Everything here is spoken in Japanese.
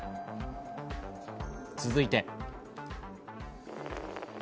続いて。